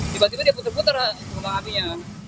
tiba tiba dia putar putar kembang apinya